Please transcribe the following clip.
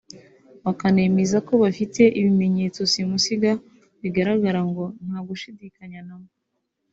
bakanemeza ko bafite ibimenyetso simusiga bigaragaza ngo nta gushidikanya na mba